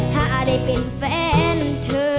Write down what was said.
ถ้าได้เป็นแฟนเธอ